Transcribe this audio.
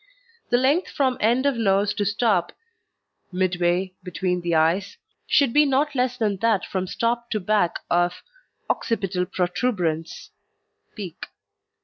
The length from end of nose to stop (midway between the eyes) should be not less than that from stop to back of occipital protuberance (peak).